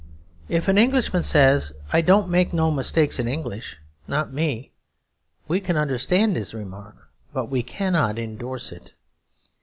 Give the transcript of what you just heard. If an Englishman says, "I don't make no mistakes in English, not me," we can understand his remark; but we cannot endorse it.